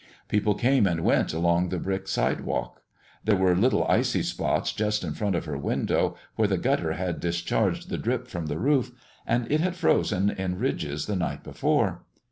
People came and went along the brick sidewalk. There were little icy spots just in front of her window, where the gutter had discharged the drip from the roof, and it had frozen in ridges the night before.